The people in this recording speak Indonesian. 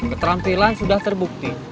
keterampilan sudah terbukti